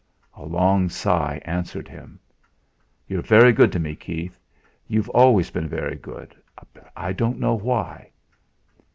A long sigh answered him. "You're very good to me, Keith; you've always been very good. I don't know why."